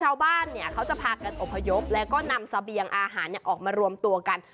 ชาวบ้านเนี่ยเขาจะพากันอพยพแล้วก็นำเสบียงอาหารออกมารวมตัวกัน